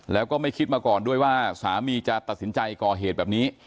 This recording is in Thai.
แล้วก็ไม่คิดมาก่อนด้วยว่าสามีจะตัดสินใจก่อเหตุแบบนี้